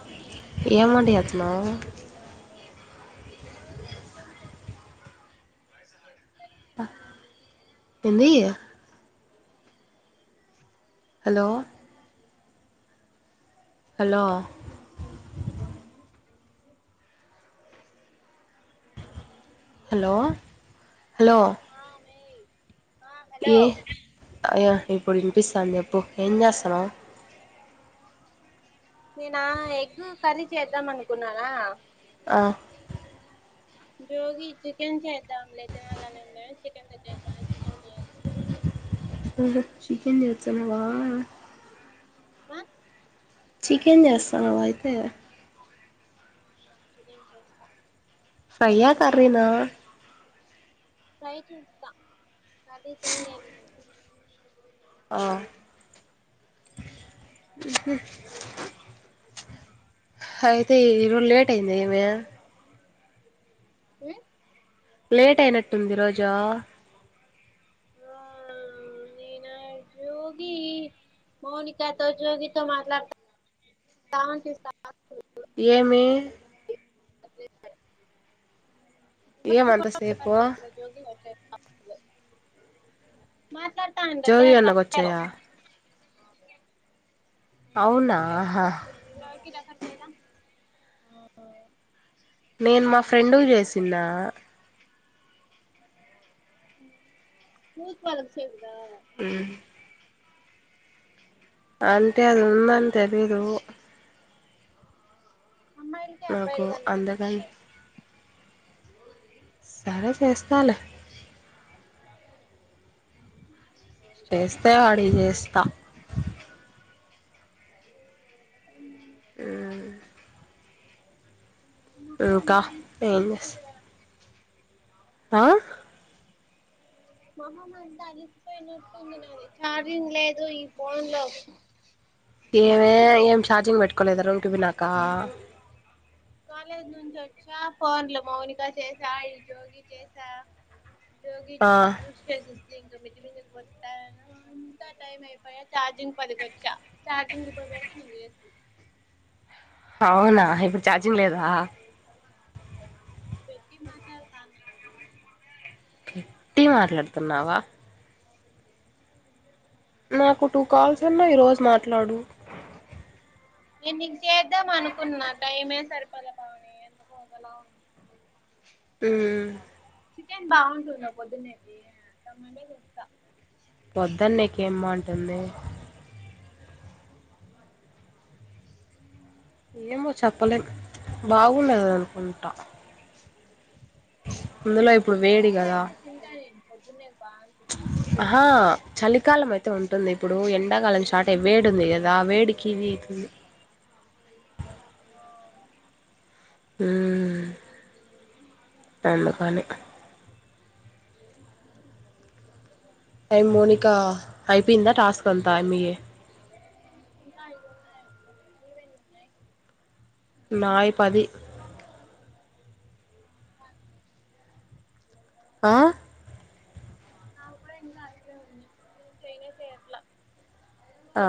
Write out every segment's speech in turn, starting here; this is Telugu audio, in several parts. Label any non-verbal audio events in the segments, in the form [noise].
అవునే ఏమండి ఆత్మ బావునవ్ [unintelligible] ప ఏంది హలో హలో హలో హలో ఆ మేయ్ ఆ హలో ఏ అయ్య ఇప్పుడు వినిపిస్తాఉంది చెపు ఎంచేస్తునవ్ నేనా ఎగ్ కర్రీ చేద్దాం అనుకున్నానా ఆ జోగి చికెన్ చే ఇద్దరం లేచినల్ అని చికెన్ తెచ్చేకి వెళ్ళాలం చికెన్ చెయ్యాలి చికెన్ చెచ్చడావా ఆ చికెన్ చేస్తానవ అయితే చికెన్ చేస్తా ఫ్రైయ్య కర్రీనా ఫ్రై చేస్తా అదే తిందేమో ఆ ఉహు అయితే ఈరోజు లేట్ అయిందే ఏమి ఉ లేట్ అయినట్టుంది ఈరోజు ఆ నేను జోగి మౌనికతో జోగితో మాట్లాడతా [unintelligible] స్తా ఏమి [inaudible] ఏమంత సేపు [unintelligible] మ జోగి అన్న కొచ్చయా అవునాహా కి రెఫెర్ చేయల ఆహా నేను మా ఫ్రెండుకు చేసిన్న మూకు పాలకు సేవి అంతే అది ఉందని తెలీదు అమ్మాయిలకి నాకు అబ్బాయిలకి అందమే అందగా చెప్పావు సరే చేస్తలే చేస్తేవాడికి చేస్తా ఉమ్ ఆహా అంతా ఏం అలిసిపోయినట్టు చేస్ ఉంది రా ఆ మొహం అంతా అలిసిపోయినట్టుంది నాది ఛార్జింగ్ లేదు ఈ ఫోన్ లో ఏమే ఏం ఛార్జింగ్ పెట్టుకోలేదా రూమ్కి పోయినాక కాలేజ్ నుంచి వచ్చా ఫోన్లు మౌనిక చేసా జోగి చేసా జోగికి ఆ జ్యూస్ చేసిస్ ఇంక మిద్ది మీదకు పోతాను అంత టైం అయిపోయా చార్జింగ్ పదికొచ్చా చార్జింగ్పయపడితే నువ్వు జేస్తివి అవునా ఇప్పుడు ఛార్జింగ్ లేదా పెట్టి మాట్లాడతాన్న పెట్టి మాట్లాడుతున్నావా నాకు టూ కాల్స్ అన్న ఈరోజు మాట్లాడు నేను నీకు చేద్దాం అనుకున్నా టైమే సరిపోల పావని ఎందుకో ఒకలా ఉంది ఉమ్ చికెన్ బాగుంటుంద పొద్దునేకి టమాటా చెస్తా పొద్దనీకేం బాంటుంది ఏమో చెప్పలేం బాగుండదు అనుకుంటా అందులో ఇప్పుడు వేడి కదా అజనే హా చలి కాలం అయి ఉంటుంది ఇప్పుడు ఎండాకలం చాట్ అే వేడు ఉంది కదా ఆ వేడికి ఇది అవుతుంది ఆ అందు కాని ట మోనికా యిపోందా టాస్క్ అంతా అగ ఇకా ఇదన్నాంత నవే ఉన్నాయి నాయ పది అ ఆ నా కూడా ఎంత అట్లే ఉన్నా చైనా చేర్లా ఆ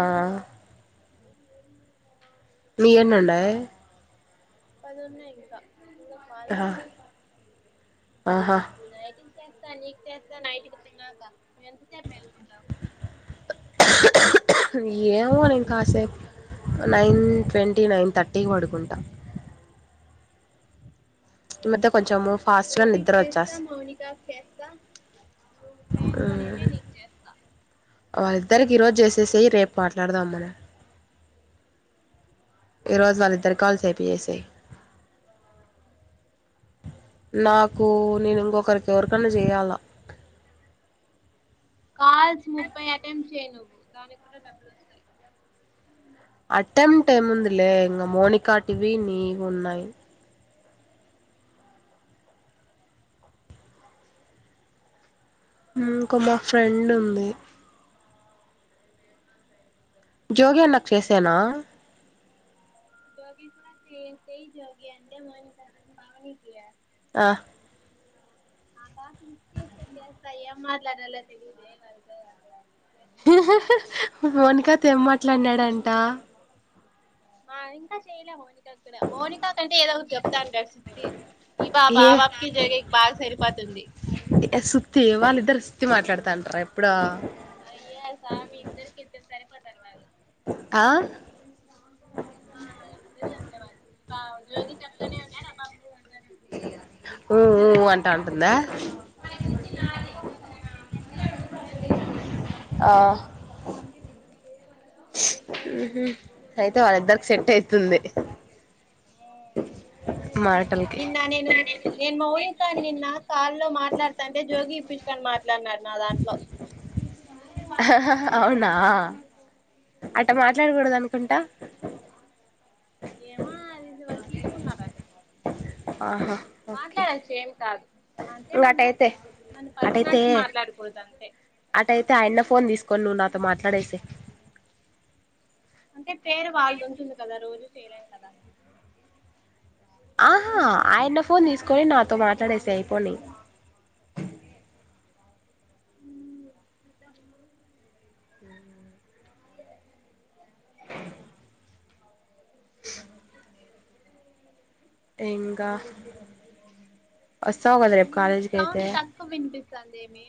న ఎన్నండ అదిన్న ఇంకా ఆహా ాలన్నా ఆహా నటీ స్త నీకు తెస్తా నైట్కి తిన్నాక మ ఎంతసేపు మెల్కుంటావు ఏమో నేను కాసేపు నైన్ ట్వంటీ నైన్ థర్టీకి పడుకుంటా ఇత్త కొంచమూ ోగికి చేస్తా మౌనికాకి చేస్తా నువ్వు మేల్కనిే నీకు చేస్తా ఇద్దరికి ఈరోజు చేసేస రేపు మాట్లాడదాం మన ఈరోజు వాళ్ళిద్దరి కాల్సేపి చేసేయి నాకు నేను ఇంకొకరికి ఎవరికన్నా చేయాలా కాల్స్ ముప్పై అటెంప్ట్ చేయ్య నువ్వు దానికి కూడా డబ్బులు వస్తాయి అటెంట్ ఏముందిలే ఇం మోనికా టివి నీ ఉన్నాయి ఇంకో మా ఫ్రెండ్ ఉంది జోగి నాకు చేసానా గి కూడా తేజ్ోగి అంతేమని పవన కయ ఆ అ కా ఏ మాట్లా నలా తెలిదే వార్ద మోనకా తె ఏం మాట్లాడినాడుండి ద్ద మా ఇంకా చేయలే మ క్కడ మోనికా కంటే ఏదో ఒక చెప్తాను సద్తి ఈ బా ఏ బాబాబకి జరిగ బాగా సరిపోతుంది వతి మాట్లాడుతా అంటారా ఎప్పుడ ఇ తర్లేదు ఆ ఆ ఇద్దరి అదే వళ్ జ్యోతి చెప్తానే ఉంటడా బా అనే ఉంట ఊఊ అంటా ఉంటుందా అ [inaudible] ఆ మ్ హ్ అయితే వాళ్ళిద్దరికి సెట్ అయితుంది మాటలకి నిన్న నేను నేను మా ఊరి ఇంకా నిన్న కాల్లో మాట్లాడ్తంటే జోగి ఇప్పించుకని మాట్లాడినారు నా దాంట్లో అవునా అట్ట మాట్లాడకూడదనుకుంటా ఏమో అది ఇది వాళ్ళు తీస్కున్నార్ అది మాట్లాడచ్చు ఏం కాదు. అంటే ఇంగో మనం అటైతే మన అటైతే పర్సనల్స్ మాట్లాడకూడదు అంతే ఆ అటైతే ఆయన్న ఫోన్ తీస్కొని నువ్వు నా తో మాట్లాడేసెయి అంటే పేరు వాళ్ళద్ ఉంటుంది కదా రోజు చేయలేం కదా ఆహా ఆయన్న ఫోన్ తీస్కొని నాతో మాట్లాడేసెయి అయిపోని ఆ ఇంక వస్తావు కదా రేపు కాలేజ్కైతే సందేమీ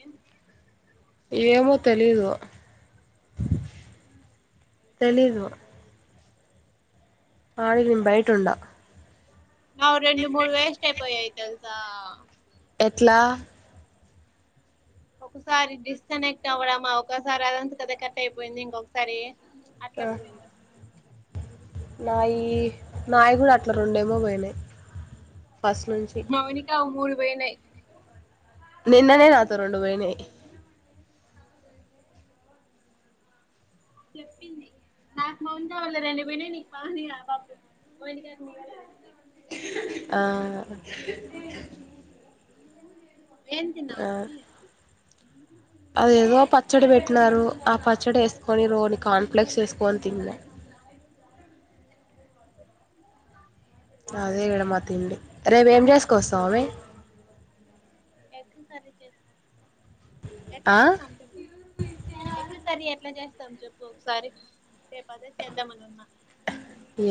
ఏమో తెలీదు తెలీదు ఆగి బయటుండా మావి రెండు, మూడు వేస్ట్ అయిపోయాయి తెల్సా ఎట్లా ఒకసారి డిస్కనెక్ట్ అవ్వడమా ఒకసారి అదంత కదా కట్ అయిపోయింది ఇంకొకసారి అట్ల పోయింది. నాయి నాయి గుడా అట్ల రొండేమో పోయినయి మౌనిక మూడు పొయినయ్ నిన్ననే నాతో రొండు పొయినయి చెప్పింది నాకు మౌనిక వాళ్ళ రెండు పొయినై నీకు బాగుంది కదా అపపు మౌనికకి నీవల్ల [inaudible] ఆ ఏం తిన్నవ్ భవి అది ఏదో పచ్చడి పెట్టినారు. ఆ పచ్చడి ఏస్కొని రోని కాన్ఫలెక్స్ ఏస్కొని తిన్నా అదే ఇక్కడ మా తిండి రేపు ఏం చేస్కొస్తావ్ [inaudible] ఎగ్ కర్రీ చేస్కోస్త ఎట్ల ఆ చేస్తాం చెప్పు ఎగ్ ఎట్లా చేస్ చేతం చెప్పు ఒకసారి రేపు అదే చేద్దాం అని ఉన్నా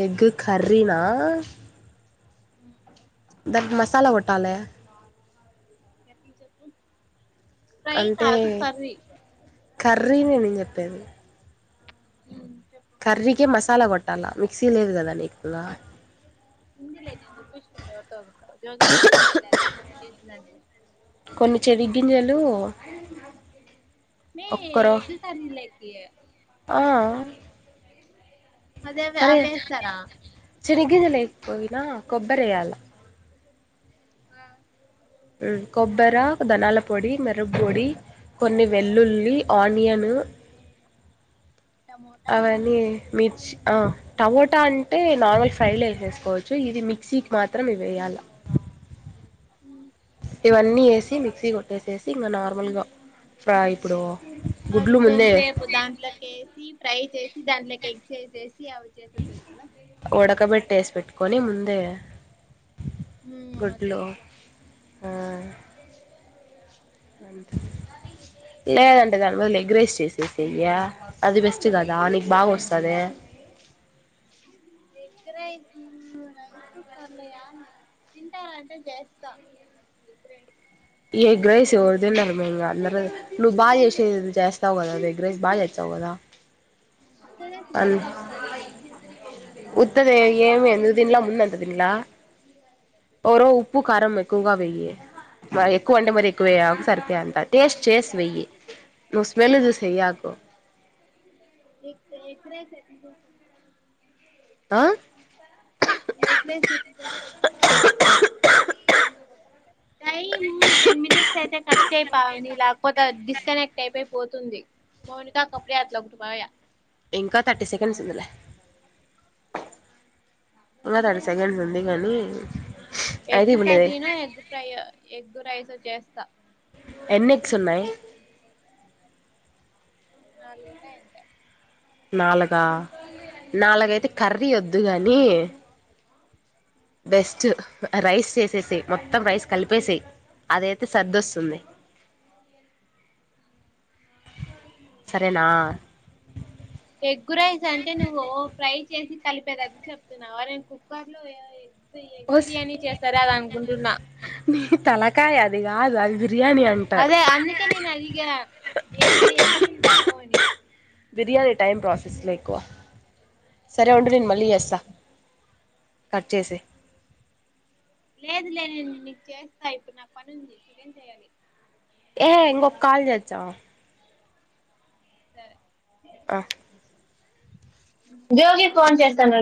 ఎగ్ కర్రీనా మ్ దానికి మసాలా కొట్టాలే ఎట్లా చెప్పు ఫ్రై అంటే కాదు కర్రీ కర్ రినే నేను చెప్పేది చెప్పు కర్రీకి మస్ లా కొట్టాలా మిక్సీ లేదు కదా నీకు ఆ ఉందిలే నేను ఇప్పించుకుంట ఎవర్ తోన్న [unintelligible] కొన్ని చెన గింజలు మే ఎగ్ కర్రీ లేక్ ఈ ఆ అదే అదే అభేస్తారా చని గింజలు లేక్ పోయినా కొబ్బరేయాల ఆ ఉమ్ కొబ్బేర ధనాల పొడి మెర పొడి కొన్ని వెల్లుల్లి ఆనియను టమోటా అవన్నీ మిర్ ఆ చ్ టమోటా అంటే నార్మల్ ఫ్రై లో వేసేసుకోవచ్చు ఇది మిక్సీకి మాత్రం ఇవి వేయాల ఉ ఇవన్నీ వేసి మిక్సీ కొట్టేసేసి ఇంకా నార్మల్గా ఫ్రా ఇప్పుడు అది గుడ్లు ముందే కొంచెపు దాంట్లో కేసి ఫ్రై చేసి దాంట్లోకి ఎగ్స్ ఏసే సీ కీ అవచేసేది కదా వేసి పెట్టుకొని ముందే ఉమ్ గుడ్లు అదెలుసులే ఆ అంతే లేదంటే దాని బదులు ఏ గ్ రైస్ చేసేసెయ్ య్య అది బెస్ట్ కదా నీకు బాగా వస్తది ఎగ్రైస్ రైస్కర్ల్ తింటారంటే చేస్తా ఎగ్ రైస్ ఎగ్ రైస్ ఎవరు తిన్నరు మేఇంగ అందరు నువ్వు బాగా చేసే ది చేస్తావు కదా ఎగ్ ర్రైస్ బాగా చేచ్చావు కదా ఉ త్తదే తిన్లేమ్ కదా అందు కు ఉత్తదే ఏమి ఎందుకుదిన్లా ముందు అంత దిన్లా ఒరవ ఉప్ ఉ ప్పు కారం ఎక్కువగా వెయి మై ఎక్కువ అంటే మరిీ ఎక్కువేయాకు సరిపోేఎంత టేస్ట్ చేసి వెయ్యి నువ్వు స్మెల్ వే య్యాకు నిక్ ఎగ్ రైస్ ఎట్లతెల్స అమ్మ ఆ ఎగ్ రైస్ ఎట్ల చేస్తావ్ టైము టెన్ మినిట్స్ అయితే కట్ చేయ్ పావని లేకపోతే అద్ డిస్ స్కనెక్ట్ అయిపోయిపోతుంది మౌనికకి కప్పుడే అట్ల ఒకటి పోయా ఇంకా థర్టీ సెకండ్స్ ఉందిలే ఇంగా థర్టీ సెకండ్స్ ఉంది గానీ ఎగ్ కరీనో ఎగ్ ఫ్రై ఓ ఎగ్ రైసో చ్చేస్ క్క ఎన్నెఎగ్స్ ఉన్నాయి నాలుగున్నాయి అంతె నాలగా నాలగయితే కర్రీ వద్దు గాని బెస్ట్ రైస్ చేసేసి మొత్తం రైస్ కలిపేసై అదైతే సర్దిొస్తుంది సరేనా ఎగ్గు రైస్ అంటే నువో ఫ్రై చేసి కలిపేది అది చెప్తున్నావా నేను కుక్కర్ లో ఏదో ఎ ఓస్ ఎగ్బిర్యానీ చేస్తారా అద అనుకుంటున్నా రాదఅది అదే అందుకే నేనఅలిగా దేంట్ల ఎట్లా తింటాము అని బిర్యానీ టైం ప్రాసెస్లో ఎక్కువ, సరే ఉండి నేను మళ్ళీ చేస్తా కట్ చేసి లేదు లేదు నెన్ నీకు చేస్తా ఇప్పుడు నా పని ఉంది చికెన్ చెయాలి. ఏ ఇంగొ కాలజేయోచ్చా సరే ఆ జ్యోగి ఫోన్ చేస్తాన్నాడు